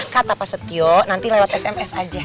kata pak setio nanti lewat sms aja